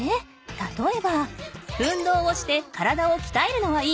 たとえば運動をして体をきたえるのはいいわね。